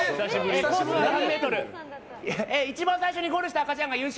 一番最初にゴールした赤ちゃんが優勝。